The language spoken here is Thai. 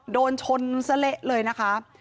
โดนชนซะเละเลยนะคะ